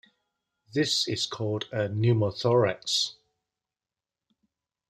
This is called a pneumothorax.